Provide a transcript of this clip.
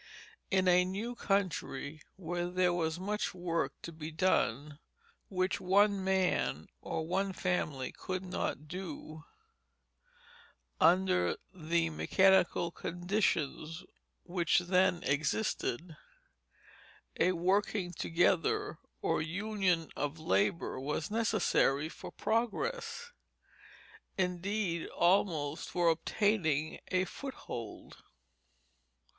In a new country where there was much work to be done which one man or one family could not do, under the mechanical conditions which then existed, a working together, or union of labor was necessary for progress, indeed, almost for obtaining a foothold.